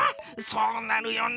そうなるよね。